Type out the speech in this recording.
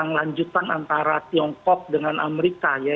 kemudian ada keputusan antara tiongkok dengan amerika ya